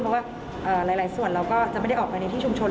เพราะว่าหลายส่วนเราก็จะไม่ได้ออกไปในที่ชุมชน